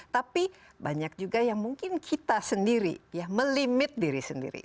tapi banyak juga yang mungkin kita sendiri ya melimit diri sendiri